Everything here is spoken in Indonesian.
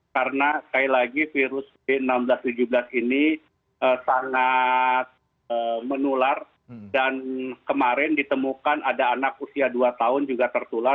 karena sekali lagi virus b enam belas b tujuh belas ini sangat menular dan kemarin ditemukan ada anak usia dua tahun juga tertular